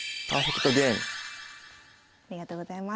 ありがとうございます。